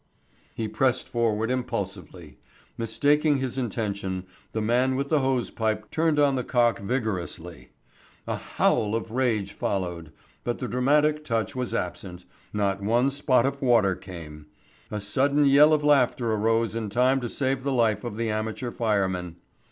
He pressed forward impulsively. Mistaking his intention, the man with the hosepipe turned on the cock vigorously. A howl of rage followed. But the dramatic touch was absent, not one spot of water came. A sudden yell of laughter arose in time to save the life of the amateur fireman.